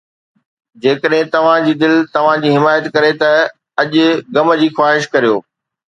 جيڪڏهن توهان جي دل توهان جي حمايت ڪري ٿي، اڄ غم جي خواهش ڪريو